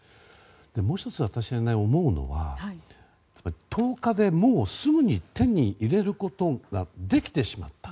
もう１つ、私が思うのは１０日で、もうすぐに手に入れることができてしまった。